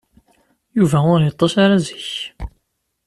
Yuba ur yeṭṭis ara zik.